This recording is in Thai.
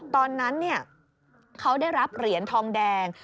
ตอนนั้นเขาได้รับเหรียญทองแดง